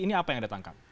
ini apa yang ditangkap